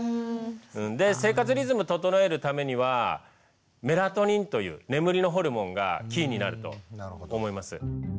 で生活リズム整えるためにはメラトニンという眠りのホルモンがキーになると思います。